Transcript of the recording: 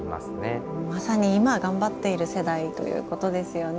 まさに今頑張っている世代ということですよね。